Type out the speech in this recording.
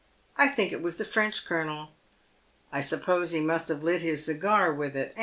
" I think it was the Trench colonel. I suppose he must have lit his cigar with it."